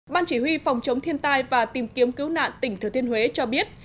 ban chỉ huy phòng chống thiên tai và tìm kiếm cứu nạn tỉnh thừa thiên huế cho biết